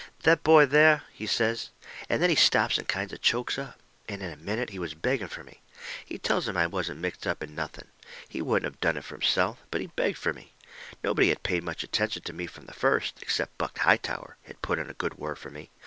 "That boy there," he says. And then he stops and kind of chokes up. And in a minute he was begging fur me. He tells 'em I wasn't mixed up in nothing. He wouldn't of done it fur himself, but he begged fur me. Nobody had paid much attention to me from the first, except Buck Hightower had put in a good word fur me.